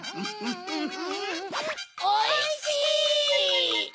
おいしい！